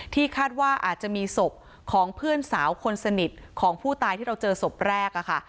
คาดว่าอาจจะมีศพของเพื่อนสาวคนสนิทของผู้ตายที่เราเจอศพแรกค่ะ